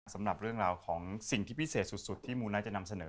สำหรับเรื่องราวของสิ่งที่พิเศษสุดที่มูไนท์จะนำเสนอ